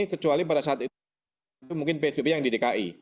kecuali pada saat itu mungkin psbb yang didki